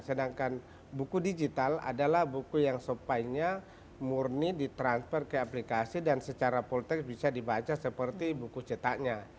sedangkan buku digital adalah buku yang supply nya murni ditransfer ke aplikasi dan secara politik bisa dibaca seperti buku cetaknya